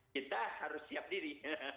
kita harus siap diri